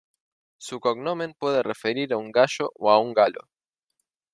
Su "cognomen" puede referir a un gallo, o a un galo.